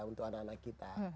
untuk anak anak kita